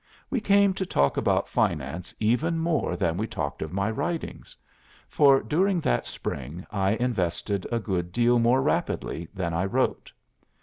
We came to talk about finance even more than we talked of my writings; for during that Spring I invested a good deal more rapidly than I wrote.